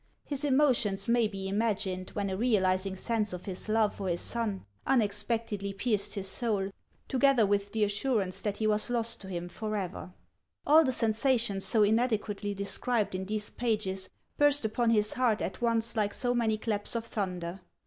His emotions may be imagined when a realizing sense of his love for his son unexpectedly pierced his soul, together with the assurance that he was 292 HANS OF ICELAND. lost to him forever. All the sensations so inadequately described in these pages burst upon his heart at once like so many claps of thunder.